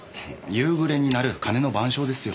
夕暮れに鳴る鐘の『晩鐘』ですよ。